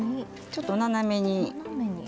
ちょっと斜めに。